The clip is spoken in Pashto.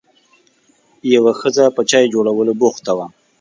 یوه ښځه په چای جوشولو بوخته وه.